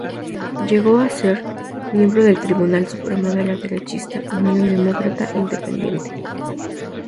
Llegó a ser miembro del Tribunal Supremo de la derechista Unión Demócrata Independiente.